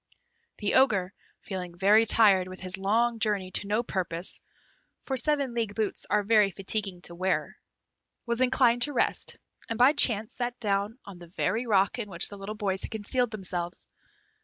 The Ogre, feeling very tired with his long journey to no purpose (for seven league boots are very fatiguing to the wearer), was inclined to rest, and by chance sat down on the very rock in which the little boys had concealed themselves.